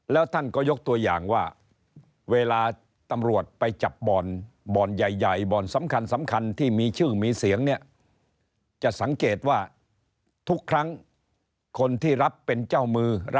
แล้วท่านก็ยกตัวอย่างว่าเวลาตำรวจไปจับบ่อนบ่อนใหญ่บ่อนสำคัญที่มีชื่อมีเสียงเนี่ยจะสังเกตว่าทุกครั้งคนที่รับเป็นเจ้ามือ